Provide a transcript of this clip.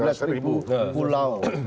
tujuh belas ribu pulau